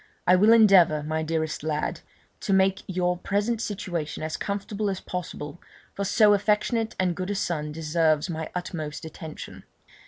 I will endeavour, my dearest lad, to make your present situation as comfortable as possible, for so affectionate and good a son deserves my utmost attention.